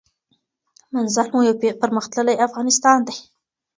منزل مو یو پرمختللی افغانستان دی.